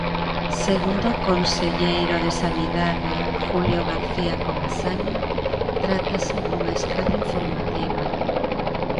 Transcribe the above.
Segundo o conselleiro de Sanidade, Julio García Comesaña, trátase dunha escala informativa.